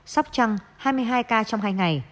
sóc trăng hai mươi hai ca trong hai ngày